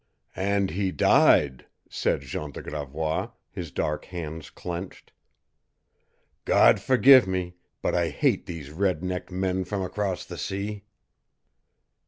"And he died," said Jean de Gravois, his dark hands clenched. "God forgive me, but I hate these red necked men from across the sea."